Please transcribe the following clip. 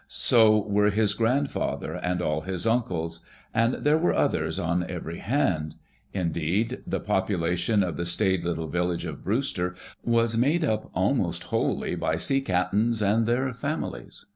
So were his grandfather and all his uncles. And there were others on every hand. Indeed, the ])opulation of the staid little village JOSEPH CROSBY LINCOLN of Brewster was made up almost wholly of sea cap'ns and their families.